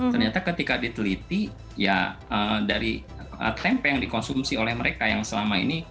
ternyata ketika diteliti ya dari tempe yang dikonsumsi oleh mereka yang selama ini